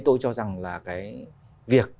tôi cho rằng là cái việc